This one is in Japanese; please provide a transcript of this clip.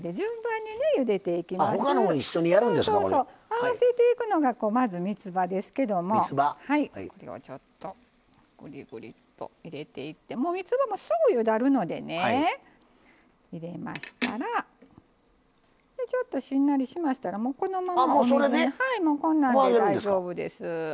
合わせていくのがまずみつばですけどもこれをちょっとぐりぐりっと入れていってもうみつばもすぐゆだるのでね入れましたらちょっとしんなりしましたらもうこのままお水にこんなんで大丈夫です。